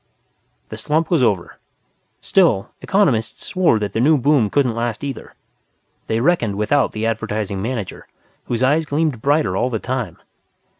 The slump was over. Still, economists swore that the new boom couldn't last either. They reckoned without the Advertising Manager, whose eyes gleamed brighter all the time.